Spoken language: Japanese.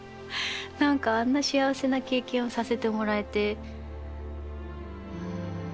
何かあんな幸せな経験をさせてもらえて。